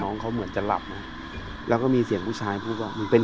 น้องเขาเหมือนจะหลับนะแล้วก็มีเสียงผู้ชายพูดว่ามึงเป็น